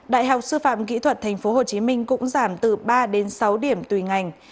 đại học sư phạm kỹ thuật tp hcm cũng giảm từ ba đến sáu điểm tùy ngành